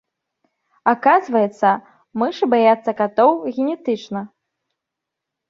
Аказваецца, мышы баяцца катоў генетычна.